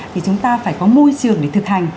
thì chúng ta phải có môi trường để thực hành